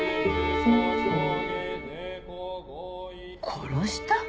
殺した！？